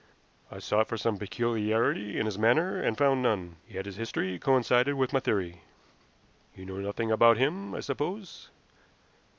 I sought for some peculiarity in his manner, and found none. Yet his history coincided with my theory. You know nothing about him, I suppose?"